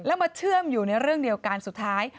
แล้วมาเชื่อมอยู่ในเรื่องเดียวกันสุดท้าย